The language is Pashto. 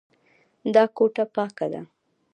دا کوټه پاکه ده.